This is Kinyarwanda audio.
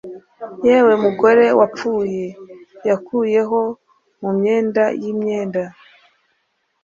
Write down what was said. Yewe mugore wapfuye yakuyeho mumyenda yimyenda